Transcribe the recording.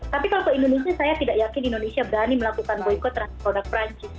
tapi kalau ke indonesia saya tidak yakin indonesia berani melakukan boykot terhadap produk perancis